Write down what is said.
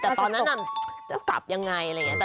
แต่ตอนนั้นจะกลับยังไงอะไรอย่างนี้